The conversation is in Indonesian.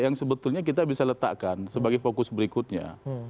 yang sebetulnya kita bisa letakkan sebagai fokus berikutnya